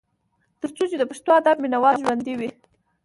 تر څو چې د پښتو ادب مينه وال ژوندي وي ۔